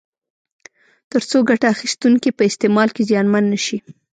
تر څو ګټه اخیستونکي په استعمال کې زیانمن نه شي.